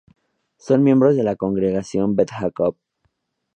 Son miembros de la Congregación Beth Jacob.